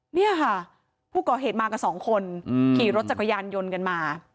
เนี่ยค่ะผู้ก่อเหตุมากับสองคนขี่รถจักรยานยนต์กันมา